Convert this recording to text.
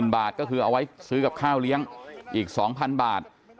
บาทก็คือเอาไว้ซื้อกับข้าวเลี้ยงอีก๒๐๐๐บาท